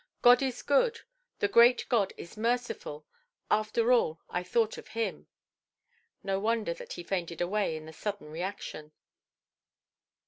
God is good, the great God is merciful, after all I thought of Him". No wonder that he fainted away, in the sudden reaction.